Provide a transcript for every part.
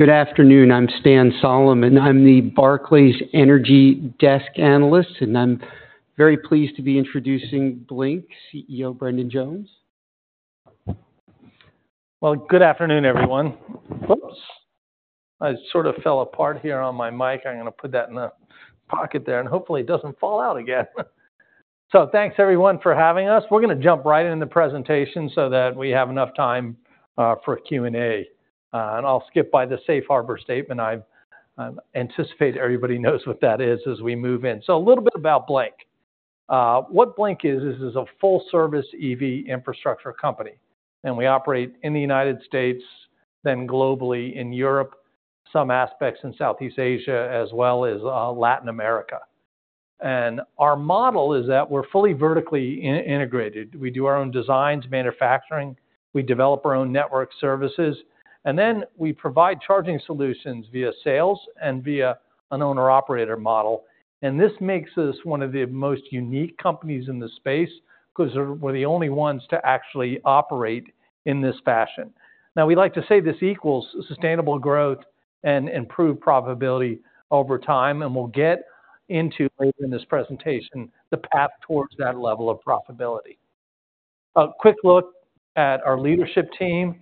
Good afternoon, I'm Stan Solomon. I'm the Barclays energy desk analyst, and I'm very pleased to be introducing Blink CEO, Brendan Jones. Well, good afternoon, everyone. Oops, I sort of fell apart here on my mic. I'm gonna put that in the pocket there, and hopefully it doesn't fall out again. So thanks everyone for having us. We're gonna jump right into the presentation so that we have enough time for Q&A. And I'll skip by the safe harbor statement. I anticipate everybody knows what that is as we move in. So a little bit about Blink. What Blink is, is a full-service EV infrastructure company, and we operate in the United States, then globally in Europe, some aspects in Southeast Asia, as well as Latin America. And our model is that we're fully vertically integrated. We do our own designs, manufacturing, we develop our own network services, and then we provide charging solutions via sales and via an owner-operator model. This makes us one of the most unique companies in the space because we're the only ones to actually operate in this fashion. Now, we like to say this equals sustainable growth and improved profitability over time, and we'll get into later in this presentation the path towards that level of profitability. A quick look at our leadership team.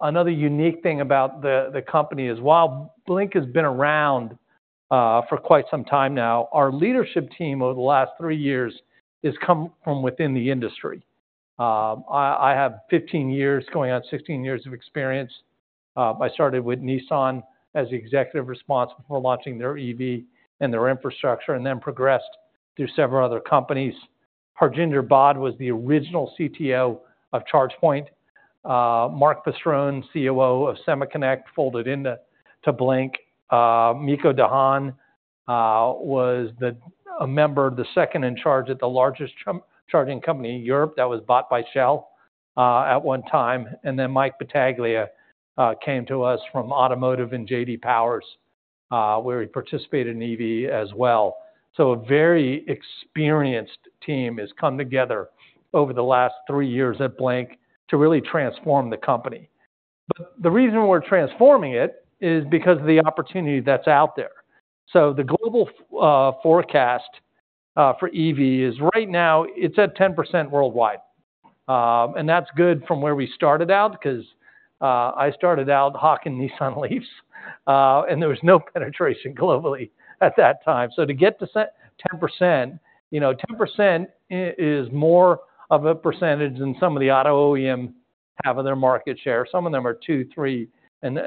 Another unique thing about the company is, while Blink has been around for quite some time now, our leadership team over the last three years has come from within the industry. I have 15 years, going on 16 years of experience. I started with Nissan as the executive responsible for launching their EV and their infrastructure, and then progressed through several other companies. Harjinder Bhade was the original CTO of ChargePoint. Mark Pastrone, COO of SemaConnect, folded into Blink. Miko de Haan was the second in charge at the largest charging company in Europe that was bought by Shell at one time. And then Mike Battaglia came to us from automotive and J.D. Power, where he participated in EV as well. So a very experienced team has come together over the last three years at Blink to really transform the company. But the reason we're transforming it is because of the opportunity that's out there. So the global forecast for EV is right now, it's at 10% worldwide. And that's good from where we started out because I started out hawking Nissan LEAFs, and there was no penetration globally at that time. So to get to ten percent, you know, 10% is more of a percentage than some of the auto OEM have of their market share. Some of them are 2%, 3%, and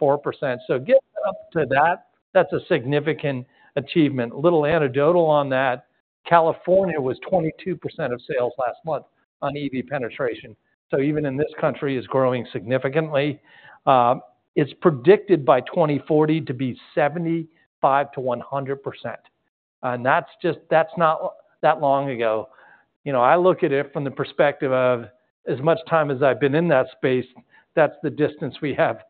4%. So getting up to that, that's a significant achievement. A little anecdotal on that, California was 22% of sales last month on EV penetration, so even in this country, it's growing significantly. It's predicted by 2040 to be 75%-100%, and that's just-- that's not that long ago. You know, I look at it from the perspective of as much time as I've been in that space, that's the distance we have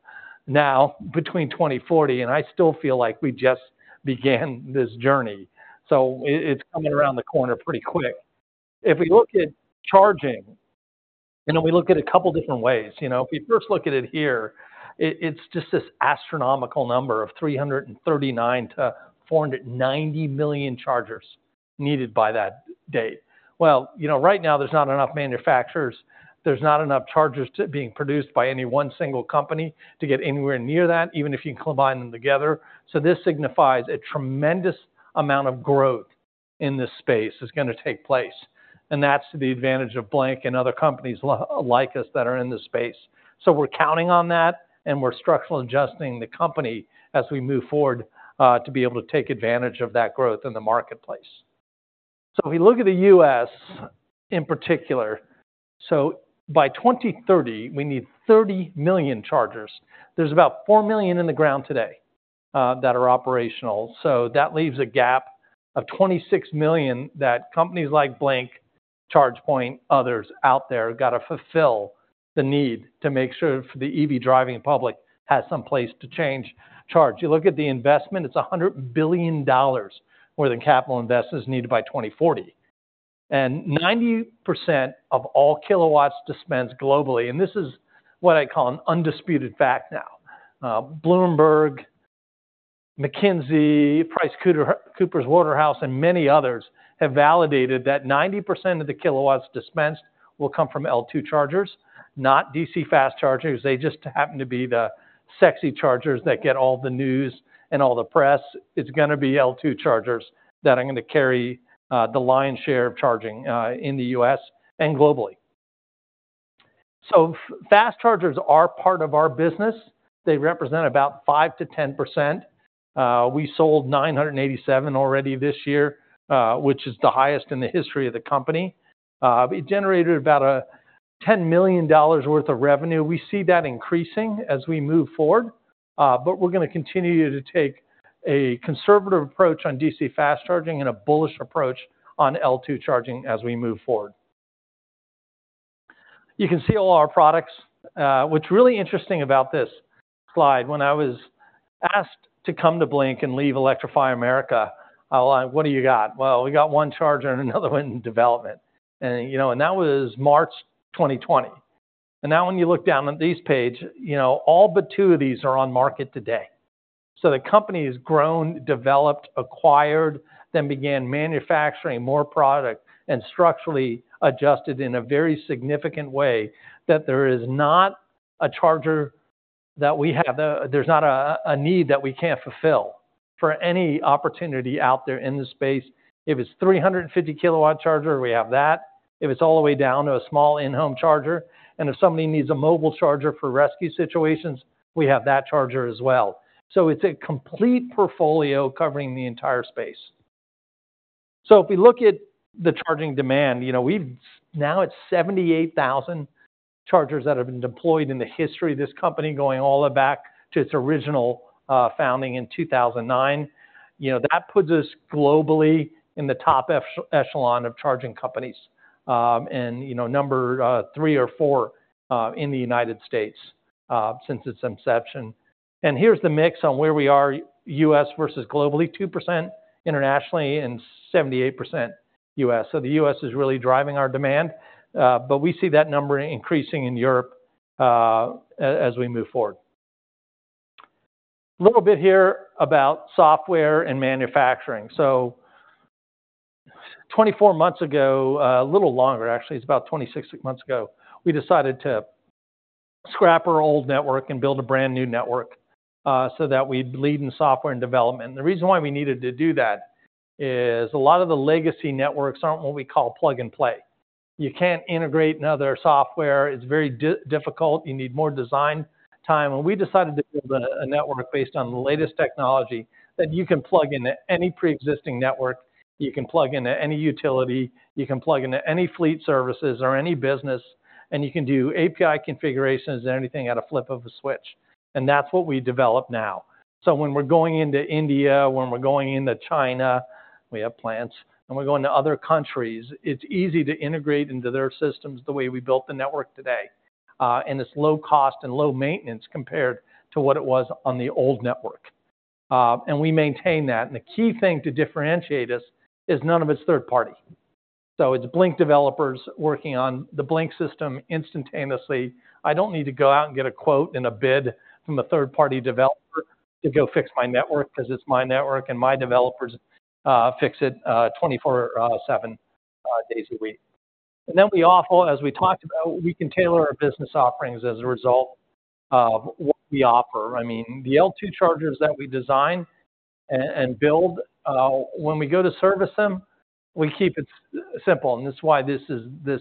now between 2040, and I still feel like we just began this journey. So it's coming around the corner pretty quick. If we look at charging, and then we look at it a couple of different ways. You know, if we first look at it here, it's just this astronomical number of 339 million-490 million chargers needed by that date. Well, you know, right now, there's not enough manufacturers, there's not enough chargers being produced by any one single company to get anywhere near that, even if you combine them together. So this signifies a tremendous amount of growth in this space is gonna take place, and that's to the advantage of Blink and other companies like us that are in this space. So we're counting on that, and we're structural adjusting the company as we move forward to be able to take advantage of that growth in the marketplace. So if we look at the U.S. in particular, so by 2030, we need 30 million chargers. There's about four million in the ground today that are operational, so that leaves a gap of 26 million that companies like Blink, ChargePoint, others out there, got to fulfill the need to make sure the EV driving public has some place to change, charge. You look at the investment, it's $100 billion more than capital investors needed by 2040. 90% of all kilowatts dispensed globally, and this is what I call an undisputed fact now. Bloomberg, McKinsey, PricewaterhouseCoopers, and many others, have validated that 90% of the kilowatts dispensed will come from L2 chargers, not DC fast chargers. They just happen to be the sexy chargers that get all the news and all the press. It's gonna be L2 chargers that are going to carry the lion's share of charging in the U.S. and globally. So fast chargers are part of our business. They represent about 5%-10%. We sold 987 already this year, which is the highest in the history of the company. It generated about $10 million worth of revenue. We see that increasing as we move forward, but we're gonna continue to take a conservative approach on DC fast charging and a bullish approach on L2 charging as we move forward. You can see all our products. What's really interesting about this slide, when I was asked to come to Blink and leave Electrify America, like, "What do you got?" "Well, we got one charger and another one in development." And, you know, and that was March 2020. And now when you look down on this page, you know, all but two of these are on market today. So the company has grown, developed, acquired, then began manufacturing more product, and structurally adjusted in a very significant way, that there is not a charger that we have, there's not a need that we can't fulfill for any opportunity out there in the space. If it's 350kW charger, we have that. If it's all the way down to a small in-home charger, and if somebody needs a mobile charger for rescue situations, we have that charger as well. So it's a complete portfolio covering the entire space. So if we look at the charging demand, you know, we've now it's 78,000 chargers that have been deployed in the history of this company, going all the way back to its original founding in 2009. You know, that puts us globally in the top echelon of charging companies, and, you know, number three or four in the United States since its inception. Here's the mix on where we are, U.S. versus globally, 2% internationally and 78% U.S. So the U.S. is really driving our demand, but we see that number increasing in Europe as we move forward. A little bit here about software and manufacturing. So 24 months ago, a little longer, actually, it's about 26 months ago, we decided to scrap our old network and build a brand-new network so that we'd lead in software and development. The reason why we needed to do that is a lot of the legacy networks aren't what we call plug and play. You can't integrate another software. It's very difficult. You need more design time. We decided to build a network based on the latest technology that you can plug into any pre-existing network, you can plug into any utility, you can plug into any fleet services or any business, and you can do API configurations and anything at a flip of a switch. That's what we develop now. So when we're going into India, when we're going into China, we have plans, when we're going to other countries, it's easy to integrate into their systems the way we built the network today. And it's low cost and low maintenance compared to what it was on the old network. And we maintain that. And the key thing to differentiate us is none of it's third party. So it's Blink developers working on the Blink system instantaneously. I don't need to go out and get a quote and a bid from a third-party developer to go fix my network, because it's my network, and my developers fix it 24/7 days a week. And then we offer, as we talked about, we can tailor our business offerings as a result of what we offer. I mean, the L2 chargers that we design and build, when we go to service them, we keep it simple, and this is why this is. This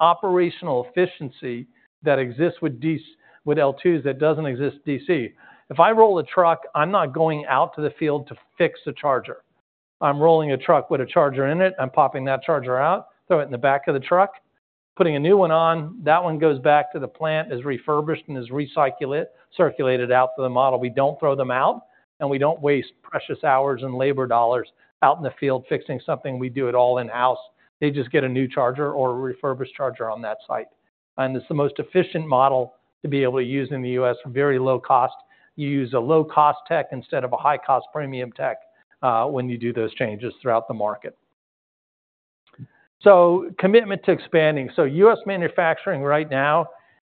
operational efficiency that exists with L2s, that doesn't exist with DC. If I roll a truck, I'm not going out to the field to fix the charger. I'm rolling a truck with a charger in it, I'm popping that charger out, throw it in the back of the truck, putting a new one on. That one goes back to the plant, is refurbished and recycled, circulated out to the model. We don't throw them out, and we don't waste precious hours and labor dollars out in the field fixing something. We do it all in-house. They just get a new charger or a refurbished charger on that site, and it's the most efficient model to be able to use in the U.S. for very low cost. You use a low-cost tech instead of a high-cost premium tech, when you do those changes throughout the market. So commitment to expanding. So U.S. manufacturing right now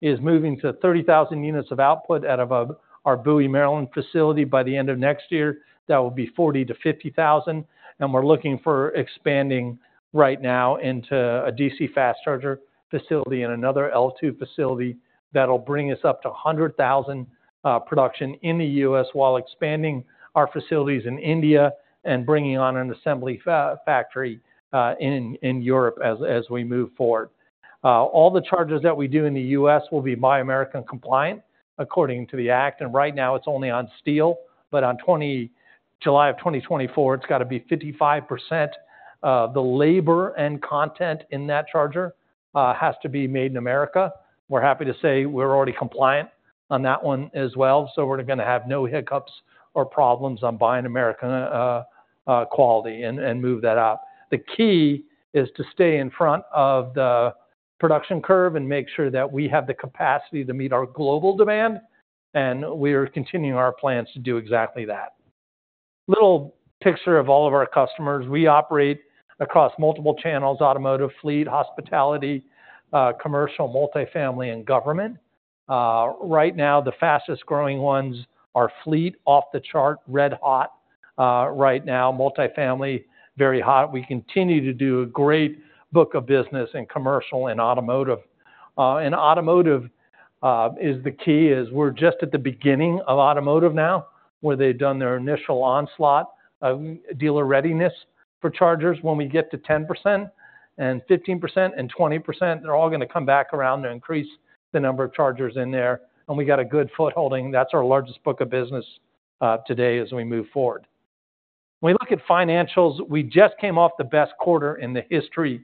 is moving to 30,000 units of output out of our Bowie, Maryland, facility. By the end of next year, that will be 40,000-50,000, and we're looking for expanding right now into a DC fast charger facility and another L2 facility. That'll bring us up to 100,000 production in the U.S., while expanding our facilities in India and bringing on an assembly factory in Europe as we move forward. All the chargers that we do in the U.S. will be Buy American compliant, according to the Act, and right now it's only on steel, but on 20 July 2024, it's got to be 55%, the labor and content in that charger has to be made in America. We're happy to say we're already compliant on that one as well, so we're gonna have no hiccups or problems on buying American quality and move that out. The key is to stay in front of the production curve and make sure that we have the capacity to meet our global demand, and we are continuing our plans to do exactly that. Little picture of all of our customers. We operate across multiple channels: automotive, fleet, hospitality, commercial, multifamily, and government. Right now, the fastest-growing ones are fleet, off the chart, red hot. Right now, multifamily, very hot. We continue to do a great book of business in commercial and automotive. And automotive is the key; we're just at the beginning of automotive now, where they've done their initial onslaught of dealer readiness for chargers. When we get to 10% and 15% and 20%, they're all gonna come back around to increase the number of chargers in there, and we got a good foothold. That's our largest book of business today as we move forward. When we look at financials, we just came off the best quarter in the history of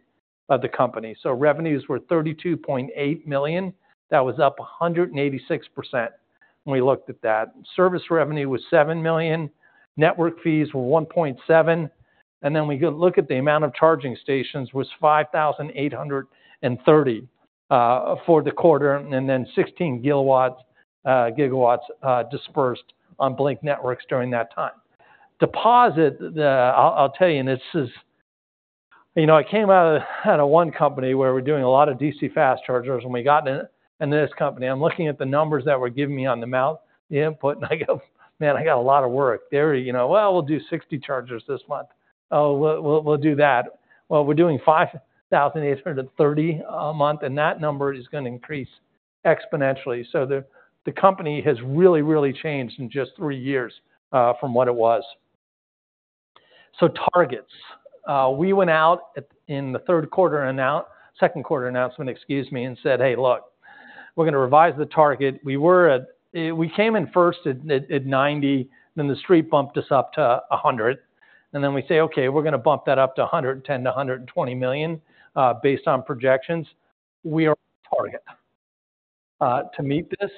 the company. Revenues were $32.8 million. That was up 186% when we looked at that. Service revenue was $7 million, network fees were $1.7 million. Then we could look at the amount of charging stations was 5,830 for the quarter, and then 16 gigawatts dispersed on Blink Network during that time. Despite the-- I'll tell you, and this is--You know, I came out of one company where we're doing a lot of DC fast chargers, when we got in this company, I'm looking at the numbers that were giving me on the amount, the input, and I go: "Man, I got a lot of work." They were, you know, "Well, we'll do 60 chargers this month. Oh, we'll do that." Well, we're doing 5,830 a month, and that number is gonna increase exponentially. So the company has really, really changed in just three years from what it was. So targets. We went out in the second quarter announcement, excuse me, and said: "Hey, look, we're gonna revise the target." We came in first at $90 million, then the Street bumped us up to $100 million, and then we say: "Okay, we're gonna bump that up to $110 million-$120 million, based on projections." We are on target to meet this.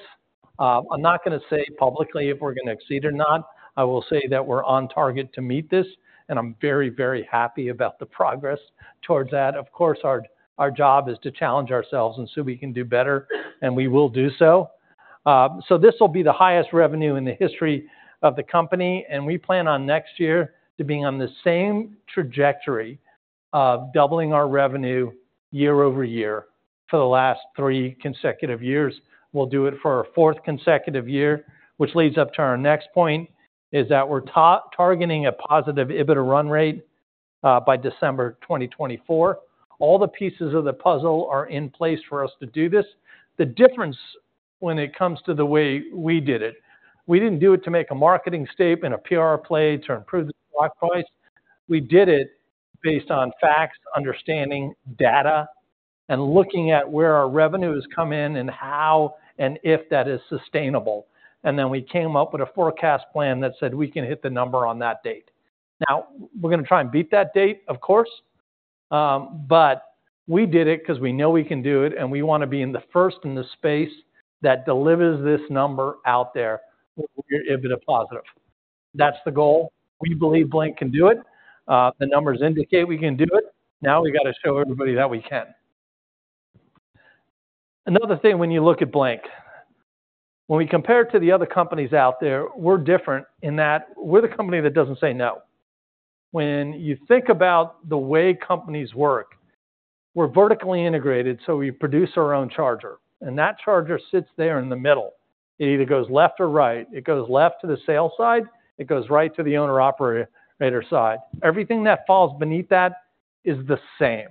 I'm not gonna say publicly if we're gonna exceed or not. I will say that we're on target to meet this, and I'm very, very happy about the progress towards that. Of course, our job is to challenge ourselves and see if we can do better, and we will do so. So this will be the highest revenue in the history of the company, and we plan on next year to being on the same trajectory of doubling our revenue year over year for the last three consecutive years. We'll do it for a fourth consecutive year, which leads up to our next point, is that we're targeting a positive EBITDA run rate by December 2024. All the pieces of the puzzle are in place for us to do this. The difference when it comes to the way we did it, we didn't do it to make a marketing statement, a PR play, to improve the stock price. We did it based on facts, understanding data, and looking at where our revenues come in and how and if that is sustainable. Then we came up with a forecast plan that said we can hit the number on that date. Now, we're gonna try and beat that date, of course, but we did it because we know we can do it, and we wanna be in the first in the space that delivers this number out there, with your EBITDA positive. That's the goal. We believe Blink can do it. The numbers indicate we can do it. Now we got to show everybody that we can. Another thing when you look at Blink, when we compare to the other companies out there, we're different in that we're the company that doesn't say no. When you think about the way companies work, we're vertically integrated, so we produce our own charger, and that charger sits there in the middle. It either goes left or right. It goes left to the sales side, it goes right to the owner-operator side. Everything that falls beneath that is the same.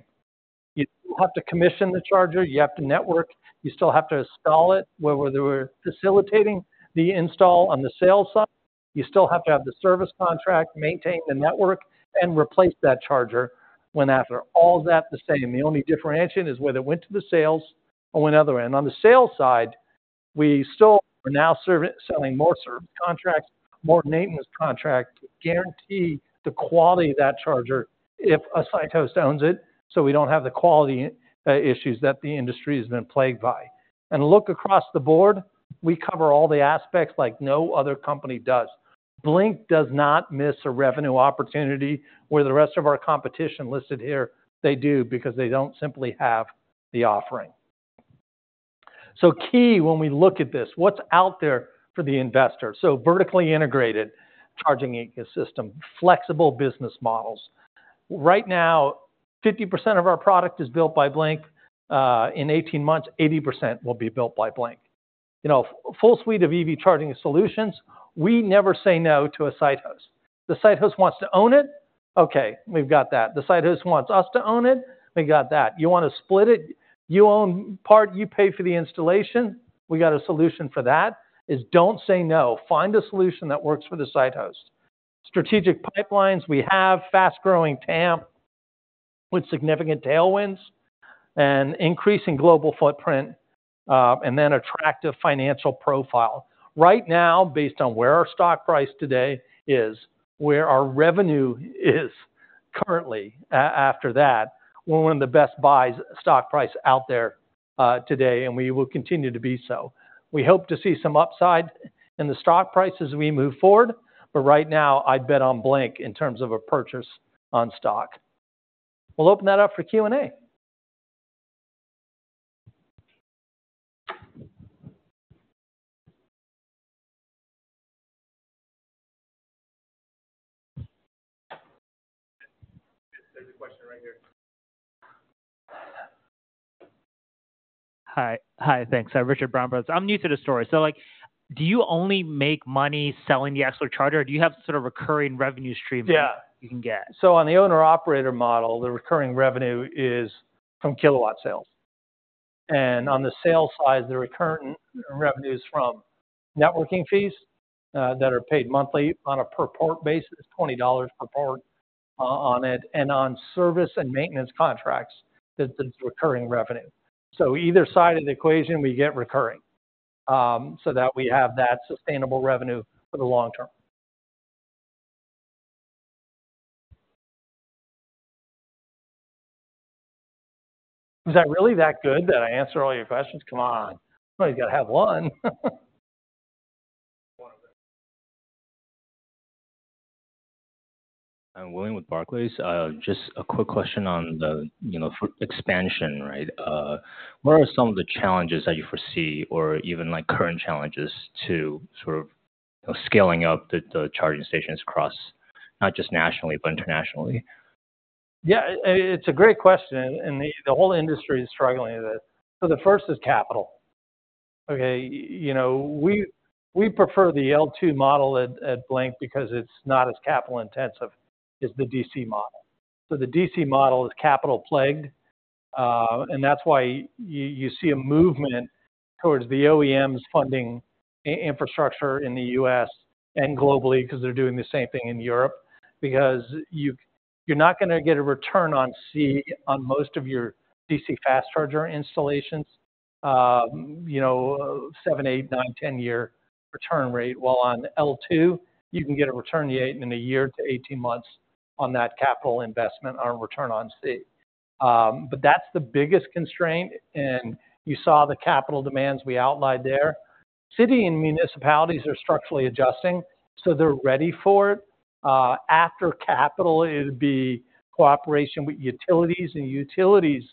You have to commission the charger, you have to network, you still have to install it. Where we're facilitating the install on the sales side, you still have to have the service contract, maintain the network, and replace that charger when after. All that the same, the only differentiation is whether it went to the sales or another end. On the sales side, we still are now selling more service contracts, more maintenance contract, guarantee the quality of that charger if a site host owns it, so we don't have the quality issues that the industry has been plagued by. And look across the board, we cover all the aspects like no other company does. Blink does not miss a revenue opportunity where the rest of our competition listed here, they do, because they don't simply have the offering. So key, when we look at this, what's out there for the investor? So vertically integrated charging ecosystem, flexible business models. Right now, 50% of our product is built by Blink. In 18 months, 80% will be built by Blink. You know, full suite of EV charging solutions, we never say no to a site host. The site host wants to own it? Okay, we've got that. The site host wants us to own it? We got that. You want to split it, you own part, you pay for the installation? We got a solution for that. Is don't say no. Find a solution that works for the site host. Strategic pipelines, we have fast-growing TAM with significant tailwinds and increasing global footprint, and then attractive financial profile. Right now, based on where our stock price today is, where our revenue is currently, after that, we're one of the best buys stock price out there, today, and we will continue to be so. We hope to see some upside in the stock price as we move forward, but right now, I'd bet on Blink in terms of a purchase on stock. We'll open that up for Q&A. There's a question right here. Hi. Hi, thanks. Richard Brown. I'm new to the story, so, like, do you only make money selling the actual charger, or do you have sort of recurring revenue stream? Yeah You can get? So on the owner-operator model, the recurring revenue is from kilowatt sales, and on the sales side, the recurring revenue is from networking fees that are paid monthly on a per port basis, $20 per port, on it, and on service and maintenance contracts, that's the recurring revenue. So either side of the equation, we get recurring, so that we have that sustainable revenue for the long term. Was that really that good that I answered all your questions? Come on, somebody's got to have one. I'm William with Barclays. Just a quick question on the, you know, for expansion, right? What are some of the challenges that you foresee or even like current challenges to sort of scaling up the, the charging stations across, not just nationally, but internationally? Yeah, it's a great question, and the whole industry is struggling with it. So the first is capital. Okay, you know, we prefer the L2 model at Blink because it's not as capital intensive as the DC model. So the DC model is capital plagued, and that's why you see a movement towards the OEMs funding infrastructure in the U.S. and globally, because they're doing the same thing in Europe. Because you're not going to get a return on capital on most of your DC fast charger installations, you know, seven, eight, nine,10-year return rate. While on L2, you can get a return in a year to 18 months on that capital investment on return on capital. But that's the biggest constraint, and you saw the capital demands we outlined there. City and municipalities are structurally adjusting, so they're ready for it. After capital, it would be cooperation with utilities, and utilities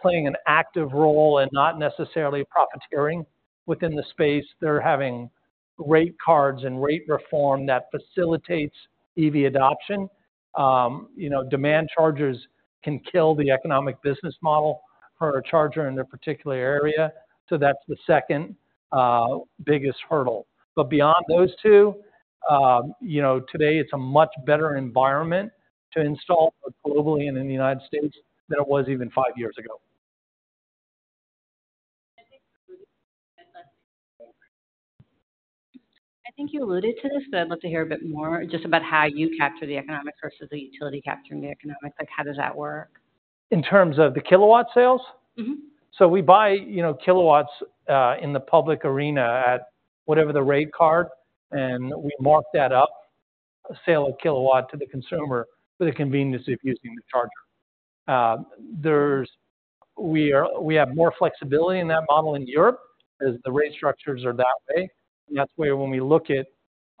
playing an active role and not necessarily profiteering within the space. They're having rate cards and rate reform that facilitates EV adoption. You know, demand chargers can kill the economic business model for a charger in a particular area. So that's the second biggest hurdle. But beyond those two, you know, today it's a much better environment to install globally and in the United States than it was even five years ago. I think you alluded to this, but I'd love to hear a bit more just about how you capture the economics versus the utility capturing the economics. Like, how does that work? In terms of the kilowatt sales? Mm-hmm. We buy, you know, kilowatts in the public arena at whatever the rate card, and we mark that up, sell a kilowatt to the consumer for the convenience of using the charger. We have more flexibility in that model in Europe, as the rate structures are that way. That's why when we look at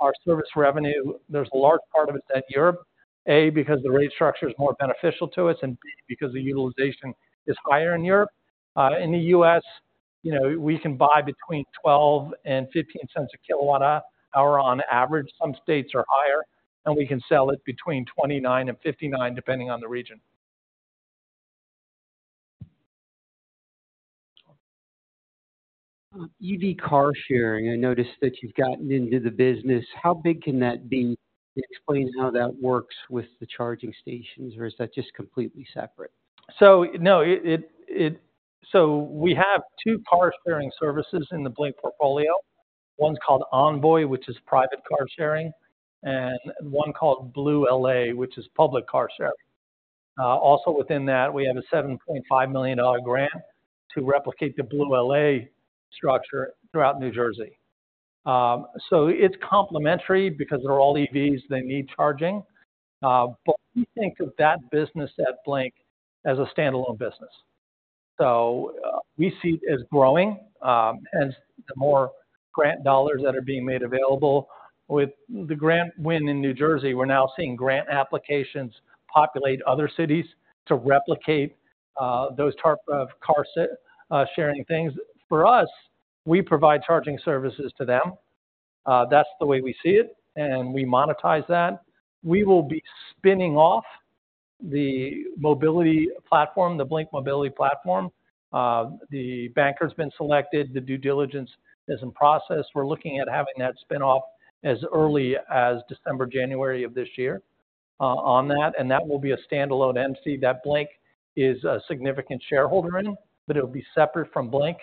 our service revenue, there's a large part of it that's Europe, A, because the rate structure is more beneficial to us, and B, because the utilization is higher in Europe. In the U.S., you know, we can buy at $0.12-$0.15/kWh on average. Some states are higher, and we can sell it at $0.29-$0.59/kWh, depending on the region. EV car sharing, I noticed that you've gotten into the business. How big can that be? Can you explain how that works with the charging stations, or is that just completely separate? So no, so we have two car sharing services in the Blink portfolio. One's called Envoy, which is private car sharing, and one called BlueLA, which is public car sharing. Also within that, we have a $7.5 million grant to replicate the BlueLA structure throughout New Jersey. So it's complementary because they're all EVs, they need charging. But we think of that business at Blink as a standalone business. So, we see it as growing, as the more grant dollars that are being made available. With the grant win in New Jersey, we're now seeing grant applications populate other cities to replicate those type of sharing things. For us, we provide charging services to them. That's the way we see it, and we monetize that. We will be spinning off the mobility platform, the Blink Mobility platform. The banker's been selected, the due diligence is in process. We're looking at having that spin-off as early as December, January of this year, on that, and that will be a standalone entity, that Blink is a significant shareholder in, but it'll be separate from Blink,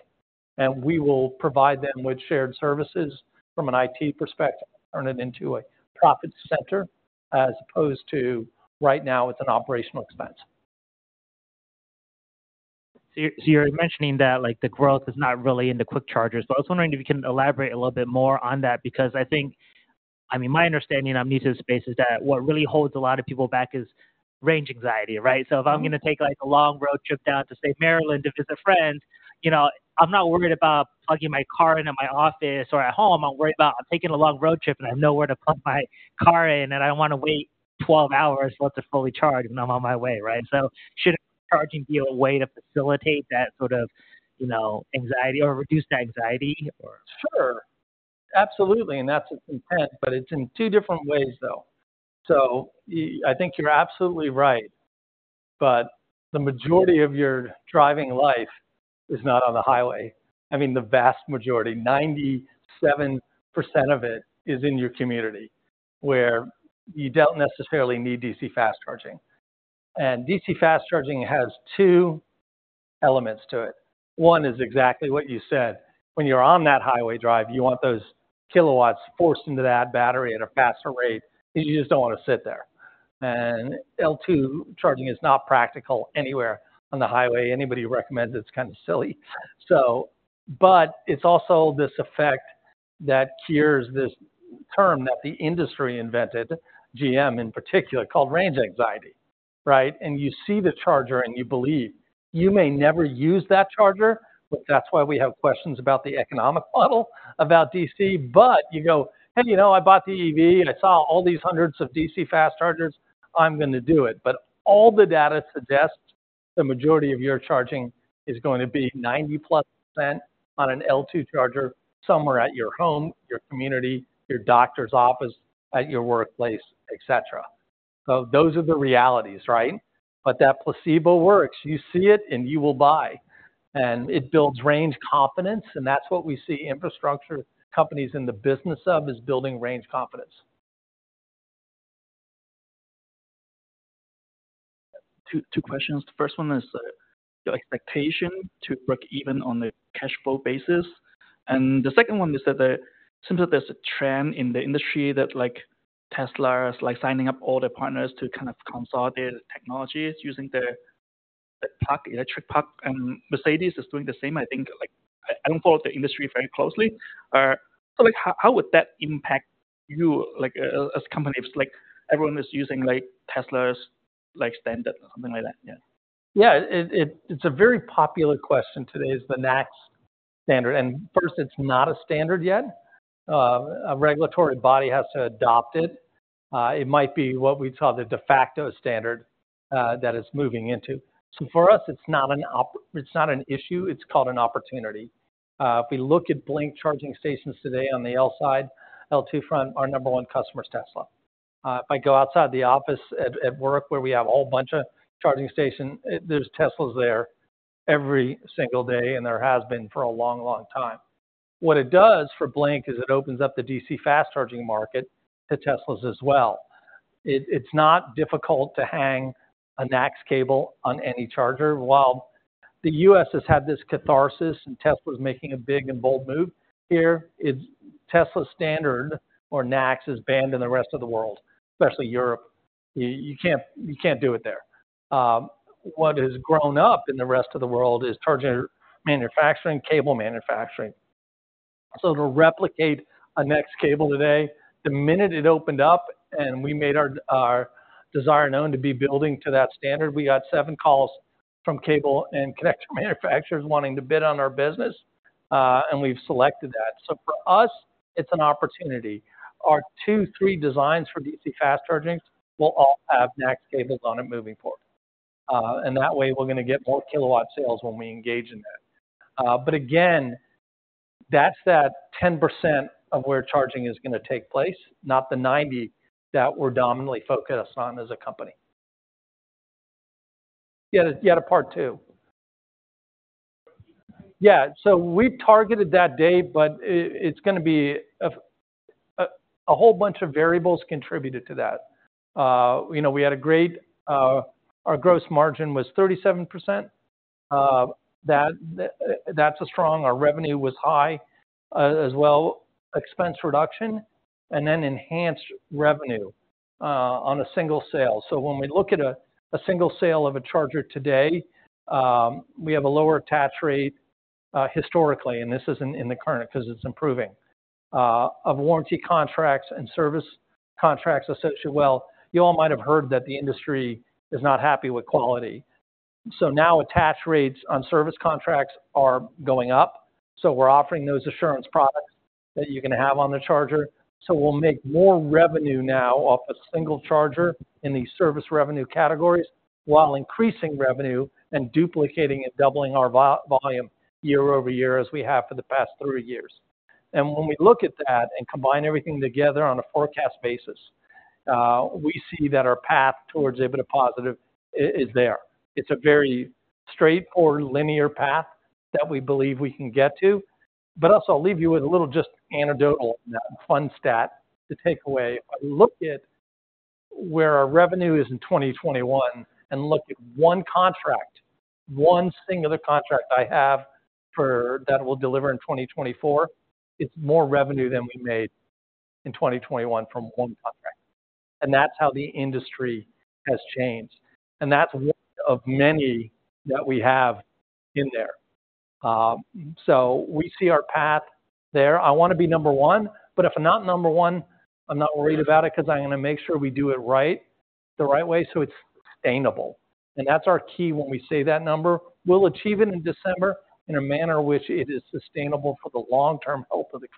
and we will provide them with shared services from an IT perspective, turn it into a profit center, as opposed to right now, it's an operational expense. So you're mentioning that, like, the growth is not really in the quick chargers, but I was wondering if you can elaborate a little bit more on that, because I think... I mean, my understanding on this space is that what really holds a lot of people back is range anxiety, right? Mm-hmm. So if I'm going to take, like, a long road trip down to say, Maryland, to visit a friend, you know, I'm not worried about plugging my car in at my office or at home. I'm worried about taking a long road trip, and I have nowhere to plug my car in, and I don't want to wait 12 hours for it to fully charge, and I'm on my way, right? So should charging be a way to facilitate that sort of, you know, anxiety or reduce the anxiety or? Sure. Absolutely, and that's the intent, but it's in two different ways, though. So I think you're absolutely right, but the majority of your driving life is not on the highway. I mean, the vast majority, 97% of it is in your community, where you don't necessarily need DC fast charging. And DC fast charging has two elements to it. One is exactly what you said. When you're on that highway drive, you want those kilowatts forced into that battery at a faster rate because you just don't want to sit there. And L2 charging is not practical anywhere on the highway. Anybody who recommends it is kind of silly. So, but it's also this effect that cures this term that the industry invented, GM in particular, called Range Anxiety, right? And you see the charger, and you believe. You may never use that charger, but that's why we have questions about the economic model, about DC. But you go, "Hey, you know, I bought the EV, and I saw all these hundreds of DC fast chargers. I'm gonna do it." But all the data suggests the majority of your charging is going to be 90%+ on an L2 charger somewhere at your home, your community, your doctor's office, at your workplace, et cetera. So those are the realities, right? But that placebo works. You see it, and you will buy, and it builds range confidence, and that's what we see infrastructure companies in the business of, is building range confidence. Two questions. The first one is your expectation to break even on the cash flow basis, and the second one is that there seems that there's a trend in the industry that, like, Tesla is like signing up all their partners to kind of consolidate technologies using their, the puck, electric puck, and Mercedes is doing the same, I think. Like, I don't follow the industry very closely. So, like, how would that impact you, like, as a company, if, like, everyone is using, like, Tesla's, like, standard or something like that? Yeah. Yeah. It's a very popular question today, is the NACS standard. First, it's not a standard yet. A regulatory body has to adopt it. It might be what we call the de facto standard that it's moving into. So for us, it's not an issue, it's called an opportunity. If we look at Blink charging stations today on the L side, L2 front, our number one customer is Tesla. If I go outside the office at work, where we have a whole bunch of charging stations, there's Teslas there every single day, and there has been for a long, long time. What it does for Blink is it opens up the DC fast charging market to Teslas as well. It's not difficult to hang a NACS cable on any charger. While the U.S. has had this catharsis, and Tesla is making a big and bold move here, it's Tesla's standard or NACS is banned in the rest of the world, especially Europe. You, you can't, you can't do it there. What has grown up in the rest of the world is charger manufacturing, cable manufacturing. So to replicate a NACS cable today, the minute it opened up, and we made our, our desire known to be building to that standard, we got seven calls from cable and connector manufacturers wanting to bid on our business, and we've selected that. So for us, it's an opportunity. Our two, three designs for DC fast charging will all have NACS cables on it moving forward. And that way, we're gonna get more kilowatt sales when we engage in that. But again, that's that 10% of where charging is gonna take place, not the 90 that we're dominantly focused on as a company. You had a part two. So we targeted that date, but a whole bunch of variables contributed to that. You know, we had a great, our gross margin was 37%, that's strong. Our revenue was high, as well. Expense reduction and then enhanced revenue on a single sale. So when we look at a single sale of a charger today, we have a lower attach rate historically, and this isn't in the current because it's improving, of warranty contracts and service contracts associated. Well, you all might have heard that the industry is not happy with quality, so now attach rates on service contracts are going up. So we're offering those assurance products that you can have on the charger. So we'll make more revenue now off a single charger in these service revenue categories, while increasing revenue and duplicating and doubling our volume year over year, as we have for the past three years. And when we look at that and combine everything together on a forecast basis, we see that our path towards EBITDA positive is there. It's a very straight or linear path that we believe we can get to. But also, I'll leave you with a little just anecdotal, fun stat to take away. I looked at where our revenue is in 2021, and looked at one contract, one singular contract I have for that will deliver in 2024. It's more revenue than we made in 2021 from one contract, and that's how the industry has changed, and that's one of many that we have in there. So we see our path there. I wanna be number one, but if I'm not number one, I'm not worried about it, 'cause I'm gonna make sure we do it right, the right way, so it's sustainable. And that's our key when we say that number. We'll achieve it in December, in a manner which it is sustainable for the long-term health of the company.